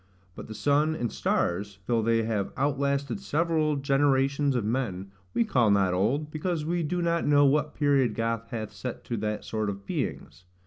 But the sun and stars, though they have outlasted several generations of men, we call not old, because we do not know what period God hath set to that sort of beings.